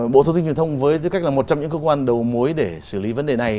bộ thông tin truyền thông với tư cách là một trong những cơ quan đầu mối để xử lý vấn đề này